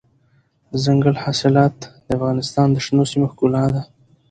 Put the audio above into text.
دځنګل حاصلات د افغانستان د شنو سیمو ښکلا ده.